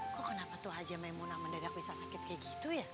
kok kenapa haja maimunah mendadak bisa sakit kaya gitu ya